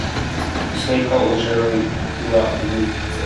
The snake cult was generally throughout the group.